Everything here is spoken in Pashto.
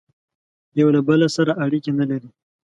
یوه له بل سره اړیکي نه لري